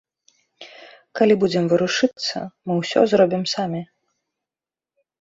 Калі будзем варушыцца, мы ўсё зробім самі.